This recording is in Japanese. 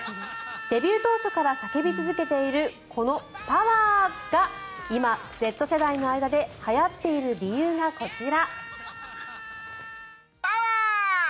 デビュー当初から叫び続けているこの、パワー！が今、Ｚ世代の間ではやっている理由がこちら。